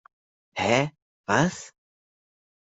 Hä, was?